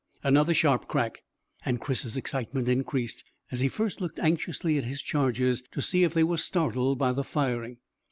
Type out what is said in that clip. Another sharp crack, and Chris's excitement increased, as he first looked anxiously at his charges to see if they were startled by the firing.